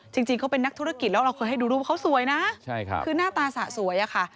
จริงเขาเป็นนักธุรกิจแล้วเราเคยให้ดูรูปเขาสวยนะคือหน้าตาสะสวยอะค่ะ